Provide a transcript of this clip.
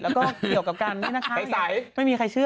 แล้วก็เกี่ยวกับการนี้นะคะไม่มีใครเชื่อ